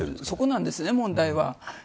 そこなんですね、問題は。